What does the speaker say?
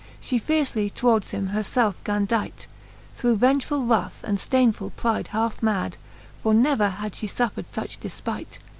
She fiercely towards him her felfe gan dight, Through vengeful wrath and fdeignfull pride half mad y For never had flie fuffrsd fuch defpight.